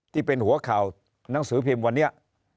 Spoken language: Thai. ที่เป็นหัวข่าวหนังสือพิมพ์วันนี้